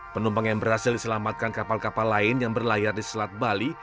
penumpang yang berhasil diselamatkan kapal kapal lain yang berlayar di selat bali